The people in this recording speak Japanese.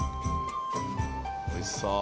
おいしそう。